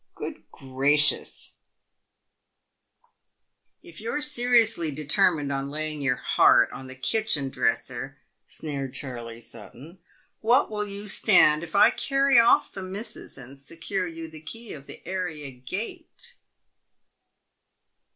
Good gracious !"" If you're seriously determined on laying your heart on the kitchen dresser," sneered Charley Sutton, " what will you stand if I carry off the missus and secure you the key of the area gate."